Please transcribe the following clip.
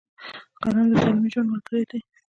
قلم د تعلیمي ژوند ملګری دی.